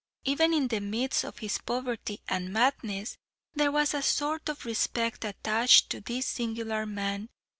Even in the midst of his poverty and madness, there was a sort of respect attached to this singular man.